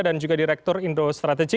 dan juga direktur indo strategi